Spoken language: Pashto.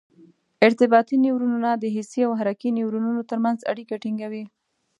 ارتباطي نیورونونه د حسي او حرکي نیورونونو تر منځ اړیکه ټینګوي.